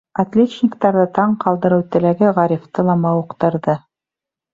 Отличниктарҙы таң ҡалдырыу теләге Ғарифты ла мауыҡтырҙы.